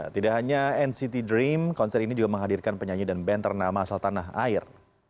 tidak hanya nct dream konser ini juga menghadirkan penyanyi dan band ternama asal tanah air